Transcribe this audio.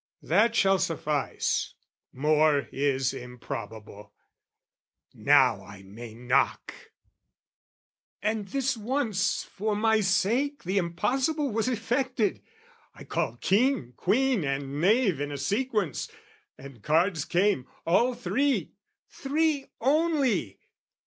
"That shall suffice: more is improbable. "Now I may knock!" And this once for my sake The impossible was effected: I called king, Queen and knave in a sequence, and cards came, All three, three only!